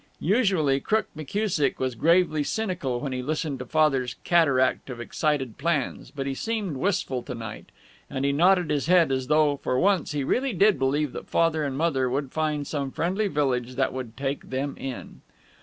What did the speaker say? Usually Crook McKusick was gravely cynical when he listened to Father's cataract of excited plans, but he seemed wistful to night, and he nodded his head as though, for once, he really did believe that Father and Mother would find some friendly village that would take them in.